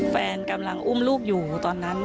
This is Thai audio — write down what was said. แฟนกำลังอุ้มลูกอยู่ตอนนั้น